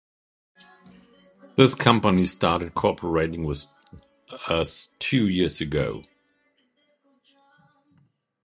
This company started cooperating with us two years ago.